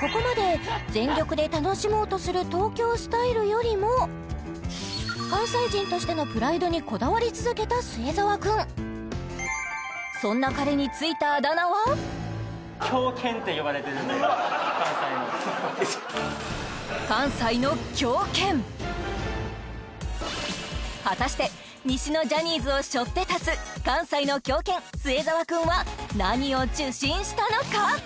ここまで全力で楽しもうとする東京スタイルよりも関西人としてのプライドにこだわり続けた末澤君そんな彼に果たして西のジャニーズをしょって立つ関西の狂犬末澤君は何を受信したのか？